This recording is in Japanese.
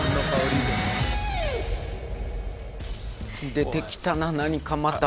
出てきたな何かまた。